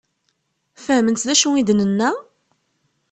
Fehment d acu i d-nenna?